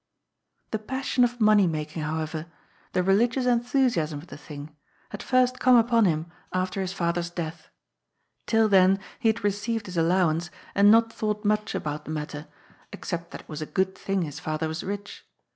The passion of money making, however, the religious enthusiasm of the thing, had first come upon him after his father's death. Till then he had received his allowance, and not thought much about the matter, except that it was a good thing his father was rich.